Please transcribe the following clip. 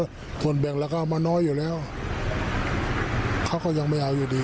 ก็ส่วนแบ่งแล้วก็เอามาน้อยอยู่แล้วเขาก็ยังไม่เอาอยู่ดี